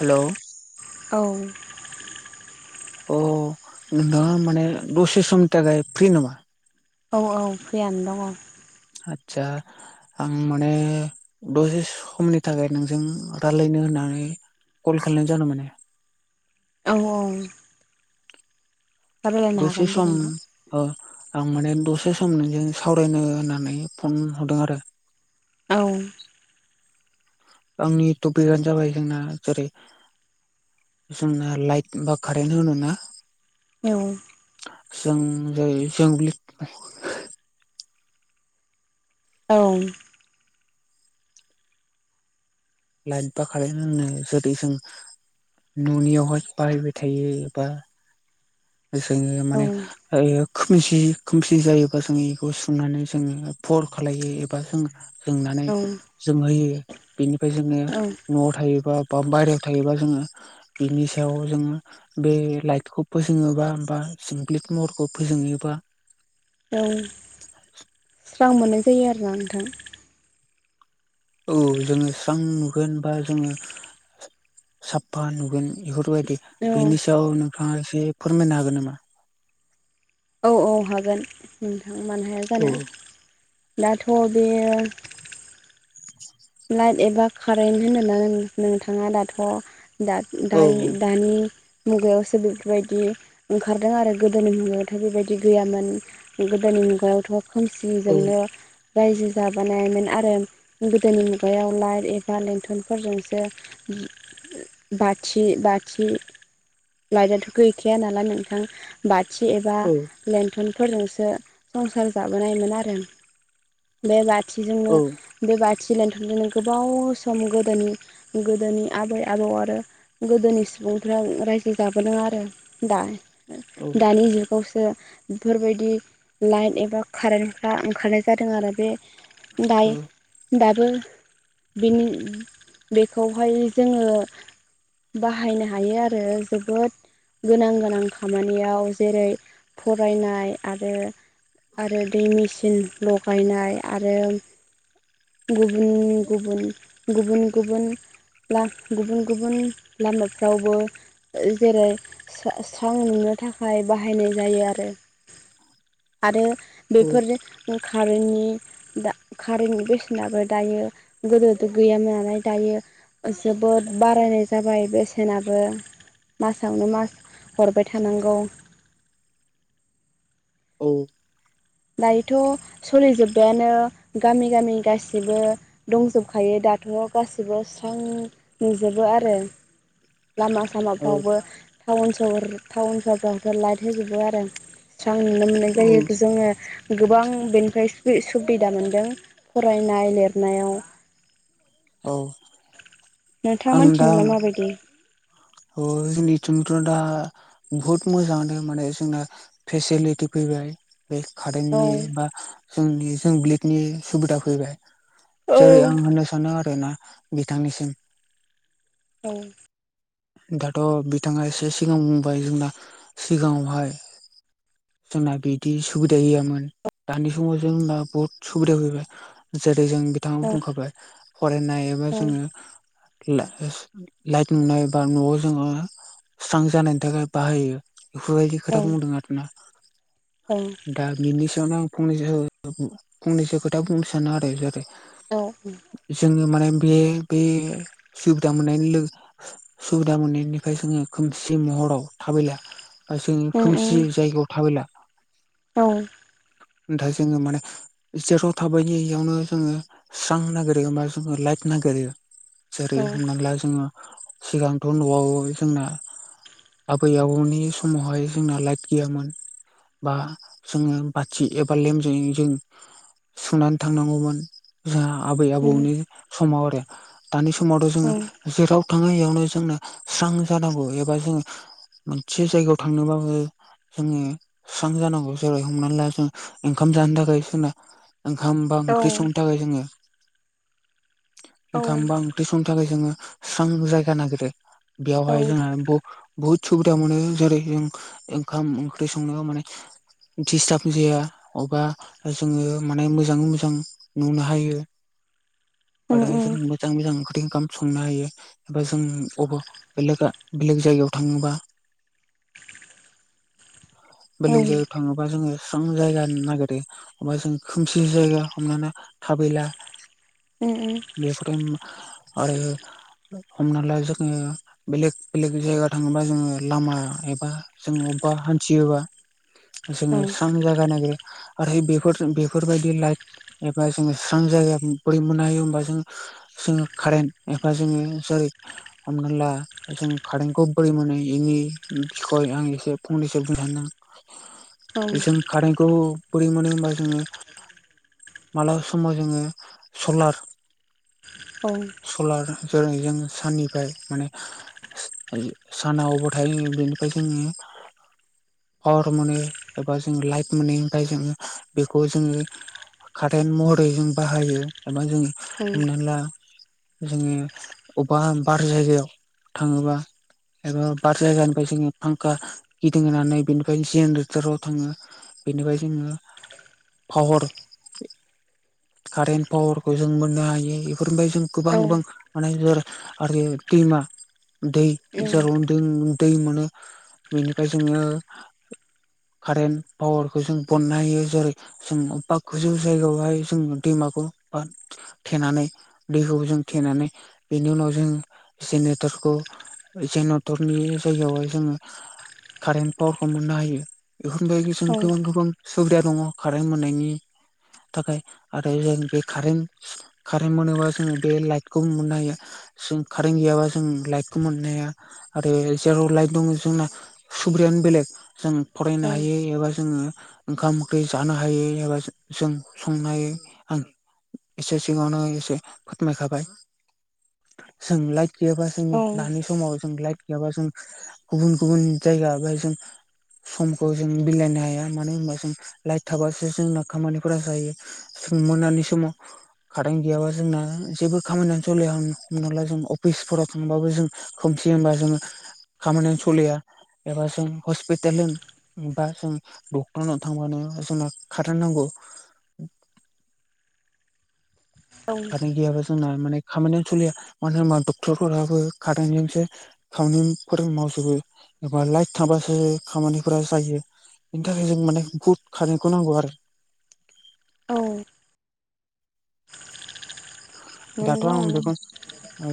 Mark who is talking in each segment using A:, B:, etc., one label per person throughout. A: Hello.
B: औ।
A: अ नोंथाङा माने दसे समनि थाखाय फ्रि नामा?
B: औ औ फ्रियानो दङ'।
A: आतसा। आं माने दसे समनि थाखाय नोंजों रायलायनो होननानै कल खालामनाय जादों माने।
B: औ औ दा रायलायनो
A: दसे
B: हागोन दे
A: सम
B: नोंथां
A: ओ आं माने दसे सम नोंजों सावरायनो होननानै फन हरदों आरो
B: औ।
A: आंनि टपिकानो जाबाय जोंना जेरै जोंना लाइट बा कारेन्ट होनो ना
B: औ।
A: जों जेरै जोंब्लिब
B: औ।
A: लाइट बा कारेन्ट होनो। जेरै जों न'नियावहाय बाहायबाय थायो बा जोङो
B: औ
A: माने ओ खोमसि खोमसि जायोबा जोङो इखौ सुनानै जोङो फर खालायो एबा जोङो जोंनानै
B: औ
A: जोंहोयो। बेनिफ्राय जोङो
B: औ
A: न'आव थायोबा बा बाहेरायाव थायोबा जोङो बिनि सायाव जोङो बे लाइटखौ फो [unintelligible] जोंब्लिथ महरखौ फोजोंहैयो बा
B: औ स्रां मोननाय जायो आरो ना नोंथां।
A: औ जोङो स्रां नुगोन बा जोङो साफा नुगोन बेफोरबायदि
B: औ
A: बेनि सायाव नोंथाङा एसे फोरमायनो हागोन नामा?
B: औ औ हागोन नोंथां मानो हाया
A: औ
B: जानो दाथ' बेयो लाइट एबा कारेन्ट होनोब्ला नोंथाङा दाथ'
A: औ
B: दा-दा-दानि मुगायावसो बेफोरबायदि ओंखारदों आरो गोदोनि मुगायावथ' बेबायदि गैयामोन। गोदोनि मुगायावथ'
A: औ
B: खोमसिजोंनो रायजो जाबोनायमोन आरो गोदोनि मुगायाव लाइट एबा लेन्थनफोरजोंसो बाथि बाथि लाइटआथ' गैखाया नालाय नोंथां बाथि एबा लेन्थनफोरजोंसो संसार जाबोनायमोन आरो। बे बाथिजोंनो
A: औ
B: बे बाथि लेन्थन बिदिनो गोबाव सम गोदोनि गोदोनि आबै-आबौ आरो गोदोनि सुबुंफ्रा रायजो जाबोदों आरो दा
A: औ
B: दानि जुगावसो बेफोरबायदि लाइट एबा कारेन्टफ्रा ओंखारनाय जादों आरो बे दायो दाथ' बिनि बेखौहाय जोङो बाहायनो हायो आरो जोबोद गोनां गोनां खामानियाव जेरै फरायनाय आरो आरो दै मेचिन लगायनाय आरो गुबुन गुबुन गुबुन गुबुन ला गुबुन गुबुन लामाफ्रावबो ओ जेरै सा स्रां नुनो थाखाय बाहायनाय जायो आरो आरो बेफोर कारेन्टनि दा कारेन्टनि बेसेनाबो दायो गोदोथ' गैयामोन नालाय दायो। जोबोद बारायनाय जाबाय बेसेनाबो। मासावनो मास हरबाय थानांगौ।
A: औ
B: दायोथ' सोलिजोब्बायानो गामि गामि गासिबो। दंजोबखायो दाथ' गासिबो स्रां नुजोबो आरो लामा
A: औ
B: सामाफ्रावबो टाउन सहर टाउन सहरावबो लाइट होजोबो आरो। स्रां नुनो मोननाय जायो
A: औ
B: जोङो। गोबां बेनिफ्राय सु-सुबिदा मोनदों फरायनाय लिरनायाव।
A: औ
B: नोंथां
A: आं दा
B: मोननिथिंलाय माबायदि?
A: अ जोंनिथिंथ' दा बुहुत मोजांआनो माने जोंना फेसिलिटि फैबाय। बे
B: औ
A: कारन्टनि बा जोंनि जोंब्लिडनि सुबिदा फैबाय।
B: औ
A: जेरै आं होननो सानो आरो ना बिथांनिसिम
B: औ
A: दाथ' बिथाङा एसे सिगां बुंबाय जोंना सिगाङावहाय जोंना बिदि सुबिदा गैयामोन दानि समाव जोंना बहुत सुबिदा फैबाय। जेरै जों बि नोंथांआबो बुंखाबाय फरायनाय एबा जोङो ला-लाइट नुनाय था बा न'आव जोङो स्रां जानायनि थाखाय बाहायो बेफोबायदि
B: औ
A: खोथा बुंदों आरोना उ दा बिनि सायावनो आं फंनैसो फंनैसो खोथा बुंनो सानो आरो जादे
B: औ उ
A: जोङो माने बे बे सुबिदा मोननायनि लो सुबिदा मोनैनिफाय जोङो खोमसि महराव थाबायला बा जों
B: उम
A: खोमसि
B: उम
A: जायगायाव थाबायला।
B: औ।
A: दा जोङो माने जेराव थाबायनि इआवनो जोङो स्रां नागिरो एबा जोङो लाइट नागिरो जेरै हमना ला जोङो सिगांथ' न'आवै जोंना आबै-आबौनि समावहाय जोंना लाइट गैयामोन। बा जोङो बाथि एबा लेमजोंयै जों सुनानै थांनांगौमोन। जोंहा
B: उम
A: आबै-आबौनि समाव आरो दानि समावथ' जोङो
B: उम
A: जेराव थाङो एव नो जोंनो स्रां जानांगौ एबा जों मोनसे जायगायाव थांनोबो जोङो सुस्रां जानांगौ जेरै हमनानै ला जों ओंखाम जानो थाखाय सोना ओंखामबा
B: औ
A: ओंख्रि संनो थाखाय जोङो
B: औ उम
A: ओंखामबा ओंख्रि संनो थाखाय जोङो स्रां जायगा नागिरो बेयावहाय जाङा ब' बुहुद सुबिदा मोनो जेरै जों ओंखाम ओंख्रि संनायाव माने दिस्टब जाया अबा जोङो माने मोजाङै मोजां नुनो हायो आरो
B: उम
A: जों मोजां मोजां ओंख्रि ओंखाम संनो हायो एबा जों अबा बेलेगा बेलेग जायगायाव थाङोबा [inaudible]
B: औ
A: बेलेग जायगायाव थाङोबा जोङो स्रां जायगा नागिरे गथा गाहोन नागिरो अबा जों खोमसि जायगा हमना थाबैला
B: उम उम
A: बे समो़थमहआरो हमनाला जोङो बेलेग बेलेग जायगा थाङोबा जोङो लामा एबा जों अबा हान्थियोबा
B: औ
A: जोङो
B: औ
A: स्रां जायगा नागोरो आरो बेफोरजों बेफोरबायदि लाइट एबा जोङो स्रां जायो बोरै मोननो हायो होमबा जों जोङो कारेन्ट एबा जोङो जै हमना ला जों कारेन्टखौ बोरै मोनो इ बिखय आं एसे फंनैसो बुं [unintelligible] जों
B: औ
A: खारेन्खौ बोरै मोनो होमबा जोङो मालाबा समाव जोङो सलार
B: औ।
A: सलार जेरै जोङो साननिफाय माने सि इ सानाव बथायो बेनिफाय जोङो पावार मोनो एबा जों लाइट मोनो ओमफाय जोङो बेखौ जोङो कारटेन महरै जों बाहायो एबा जों हमनानै ला जोङो अबा बार जायगायाव थाङोबा एबा बार जायगानिफाय जोङो फांखा गिदिंहोनानै बेनिफाय जेनरेटाराव थाङो बेनिफाय जोङो फावार कारेन्ट पावारखौ जों मोननो हायो एफोरनिफाय जों गोबां गोबां माने जोरै आरो दैमा दै जेरन दों दै मोनो बेनिफाय जोङो कारेन्ट पावारखौ जों बननो हायो जेरै जों अबबा गोजौ जायगायावहाय जों दैमाखौ बा थेनानै दैखौ जों थेनानै बेनि उनाव जोंङो जेनेटरखौ जेनटरनि जायगायावहाय जों कारेन्ट पावारखौ मोननो हायो बेफोरनिफायबो जों गोबां गोबां सुबिदा दङ कारेन्ट मोननायनि थाखाय आरो जों बे कारेन्ट कारेन्ट मोनोबा जोङो बे लाइटखौ मोननो हायो जों कारेन्ट गैयाबा जों लाइटखौ मोननो हाया आरो जेराव लाइट दङ जोंना सुब्रेयानो बेलेग जों फरायनो हायो एबा जोङो ओंखाम ओंख्रि जानो हायो एबा जों संनो हायो आं एसे सिगांनो इसे फोरमायखाबाय जों लाइट गैयाबा जों दानि समाव जों जों गुबुन गुबुन जायगा बा जों समखौ जों बिलायनो हाया मानो होनबा जों लाइट थाबासो जोंना खामानिफोरा जायो। जों मोनानि समाव कारेन्ट गैयाबा जोंना जेबो खामानियानो सलिआ हमना ला जों अफिसफोराव थांबाबो जों खोमसि होनबा जोङो खामानियानो सलिया एबा जों हस्पिटाल होन बा जों डक्टरनाव थांबानो जोंनो कारेन्ट नांगौ
B: औ
A: कारेन्ट गैयाबा जोंना माने खामानियानो सोलिया मानो होनबा डक्टरफोराबो कारेन्टजोंसो खामानिफोर मावजोबो एबा लाइट थाबासो खामानिफोरा जायो। बेनि थाखाय जों माने बुहुत कारेन्टखौ नांगौ आरो।
B: औ।
A: दाथ'
B: नंगौ
A: आं बेखौ। औ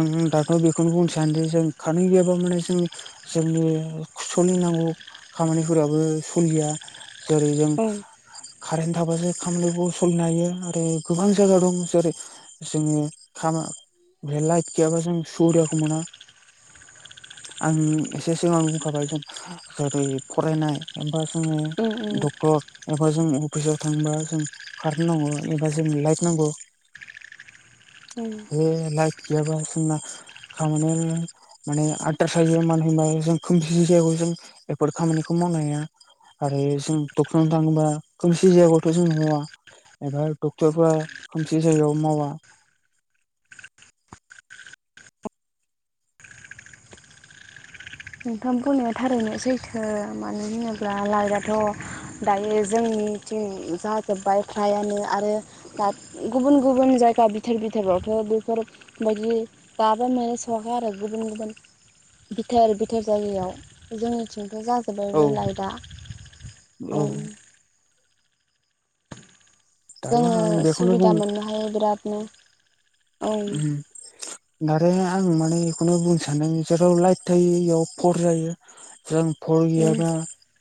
A: आं दाथ' बेखौनो बुंनो सानोदि जों कारेन्ट गैयाबा माने जोंनि जोंनि सोलिनांगौ खामानिफोराबो सोलिया। जेरै जों
B: ओं
A: कारेन्ट थाबासो खामानियावबो सोलिनो हायो आरो गोबां जायगा दं जेरै जोङो खामा बे लाइट गैयाबा जों सुबिदाखौ मोना आं एसे सिगां बुंखाबाय जों जेरै फरायनाय एबा
B: ओं
A: डक्टर एबा जों अफिसाव थांबा जों कारेन्ट नांगौ एबा जों लाइट नांगौ।
B: औ।
A: बे लाइट गैयाबा जोंना खामानियानो। माने आद्रा जायो मानो होनबा जों खोमसि जायगायाव जों बेफोर खामानिखौ मावनाय हा आरो जों डक्टरावनो थाङोबा खोमसि जायाब्लाथ' जों नुआ। एबार टक्टर खोमसि जाबा मावा।
B: नोंथां बुंनाया थारैनो सैथो मानो होनोब्ला लाइटआथ' दायो जोंनिथिं जाजोब्बाय फ्रायानो आरो। दा गुबुन गुबुन जायगा बिथोर बिथोरावथ' बेफोर बायदि जाबा मे साहा आरो गुबुन गुबुन बिथोर। थेर जायगायाव जोंनिथिंथ'
A: औ
B: जाजोब्बायबो लाइटआ औ।
A: दाल'
B: जोङो
A: आं बेखौनो
B: सुबिदा
A: बुंनो
B: मोननो हायो बिरादनो। औ
A: उम आं माने बेखौनो बुंनो सानो जेराव लाइट थायो इयाव फर जायो। जों फल गैयाबा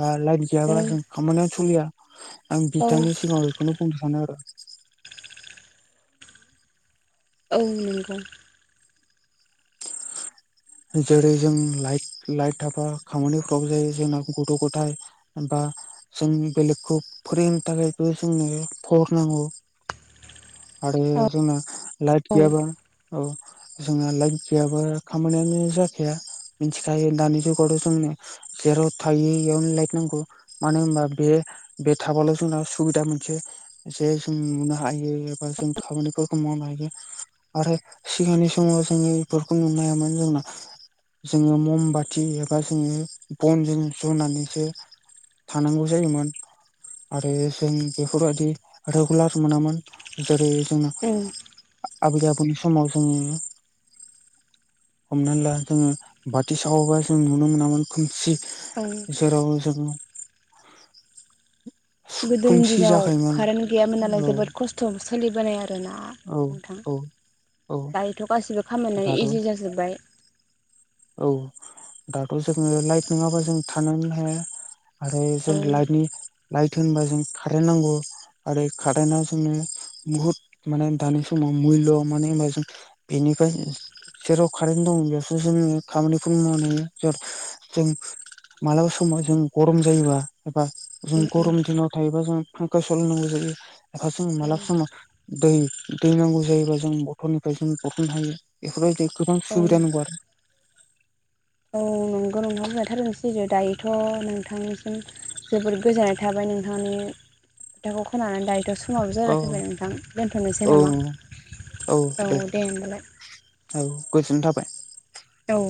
A: बा लाइन गैयाबा जों
B: औ
A: खामानियाव सोलिया। आं बिथांनि सिगाङाव बेखौनो बुंनो सानो आरो।
B: औ नंगौ।
A: जेरै जों लाइ लाइट थाबा खामानिफ्रा बो जायो जोंना गथ'-गथाय बा जों बेलेगखौ फोरोंनो थाखायबो जोंनो फहर नांगौ। आरो
B: औ
A: जोंना लाइट
B: औ
A: गैयाबा औ जोंना लाइट गैयाबा खामानिया। नो जाखाया मिथिखायो दानि जुगावथ' जोंनो जेराव थायो बेयावनो लाइट नांगौ। मानो होनबा बे बे थाबाल' जोंनाव सुबिदा मोनसे। जेराव नुनो हायो बा खाबानिफोरखौ मावनो हायो। आरो सिगांनि समाव जोङो बेफोरखौ नुनो हायामोन जोंना जोङो मम बाथि एबा जोङो बनजों जनानैसो। थानांगौ जायोमोन। आरो जों बेफोरबायदि रेगुलार मोनामोन जेरै जों
B: ओं।
A: आबै आबौनि समाव जों हमनानै ला जोङो बाथि सावाबा जों नुनो मोनामोन खोमसि।
B: औ।
A: जेराव जों
B: गोदोनि
A: खोमसि
B: दिनाव
A: जाखायोमोन
B: कारेन्ट गैयामोन नालाय
A: औ
B: जोबोद खस्थ' सोलिबोनाय आरोना।
A: औ
B: नोंथां
A: औ औ
B: दायोथ' गासिबो खामानिया
A: दाथ'
B: इजि जाजोब्बाय।
A: औ दाथ' जोङो लाइट नङाबा जों थानोनो हाया। आरो
B: औ
A: जों लाइटनि लाइट होनबा जों कारेन्ट नांगौ। आरो खादाना जोंनि बुहुत माने दानि समाव मुल्य मानो होनबा जों बेनिफ्राय जेराव कारेन्ट दं बेयावसो जोङो। खामानिखौ मावनो हायो ज जों [inaudible] मालाबा समाव जों गरम जायोबा एबा जों
B: उम उम
A: गरम दिनाव थायोबा जों फांखा सलायनांगौ जायो एफा जों मालाबा समाव दै दै नांगौ जायोब्ला जों बथलनिफ्राय जों बथ'नो हायो। बेफोरबायदि गोबां
B: औ
A: सुबिदा नांगौ आरो
B: औ नंगौ [unintelligible] दायोथ' नोंथांसिम जोबोद गोजाननाय था बाय नोंथांनि खोथाखौ खोनानानै दायो दा समाबो
A: औ
B: जाना फैबाय नोंथां दोनथ'नोसै
A: औ
B: नामा औ दे होनबालाय।
A: औ गोजोननाय थाबाय।
B: औ।